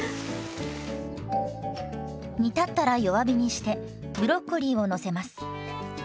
煮立ったら弱火にしてブロッコリーをのせます。